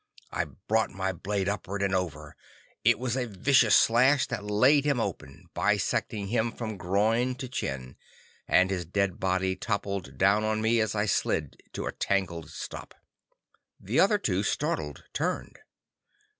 I brought my blade upward and over. It was a vicious slash that laid him open, bisecting him from groin to chin, and his dead body toppled down on me, as I slid to a tangled stop. The other two startled, turned.